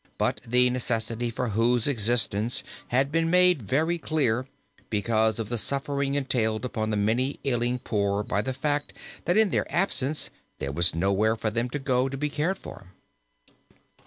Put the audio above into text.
but the necessity for whose existence had been made very clear, because of the suffering entailed upon the many ailing poor by the fact, that in their absence there was nowhere for them to go to be cared for.